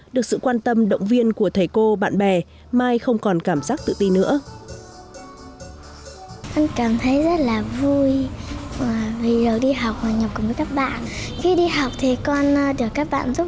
được sự quan tâm động viên của thầy cô bạn bè mai không còn cảm giác tự ti nữa